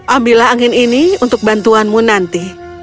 ambillah angin ini untuk bantuanmu nanti